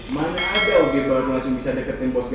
mana ada ug bawang langsung bisa deketin bos gaffin